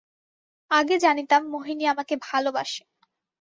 আগে জানিতাম মোহিনী আমাকে ভালোবাসে।